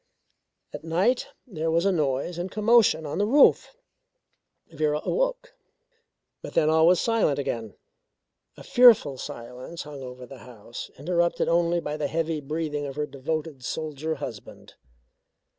At night there was a noise and commotion on the roof. Vera awoke, but then all was silent again. A fearful silence hung over the house, interrupted only by the heavy breathing of her devoted soldier husband.